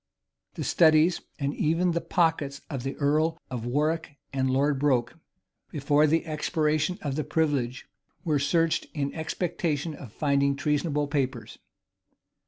The studies, and even the pockets of the earl of Warwick and Lord Broke, before the expiration of privilege, were searched, in expectation of finding treasonable papers.